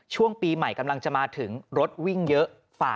ช่วงปีใหม่กำลังจะมาถึงรถวิ่งเยอะ